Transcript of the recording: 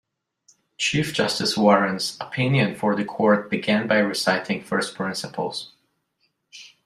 Chief Justice Warren's opinion for the Court began by reciting first principles.